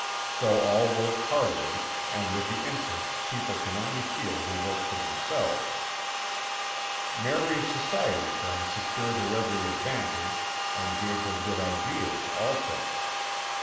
So all worked heartily and with the interest people can only feel who work for themselves. Mary's society friends secured her every advantage and PLAY AND WORK. 87 gave her good ideas also.